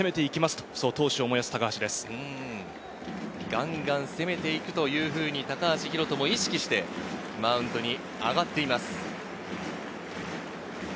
ガンガン攻めていくと、高橋宏斗も意識してマウンドに上がっています。